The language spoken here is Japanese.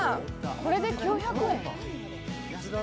これで９００円。